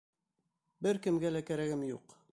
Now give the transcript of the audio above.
Бер кемгә лә кәрәгем юҡ.